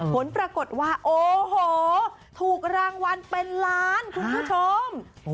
ผลปรากฏว่าโอ้โหถูกรางวัลเป็นล้านคุณผู้ชม